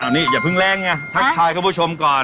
อันนี้อย่าเพิ่งแรงไงทักทายคุณผู้ชมก่อน